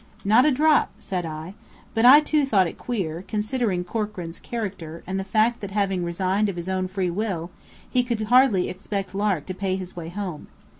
"Not a drop," said I. But I, too, thought it queer, considering Corkran's character, and the fact that having resigned of his own free will, he could hardly expect Lark to pay his way home.